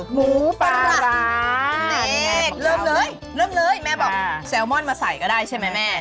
หมูปลาร้านี่เริ่มเลยเริ่มเลยแม่บอกแซลมอนมาใส่ก็ได้ใช่ไหมแม่